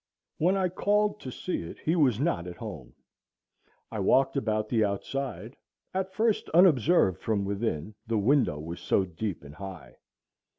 When I called to see it he was not at home. I walked about the outside, at first unobserved from within, the window was so deep and high.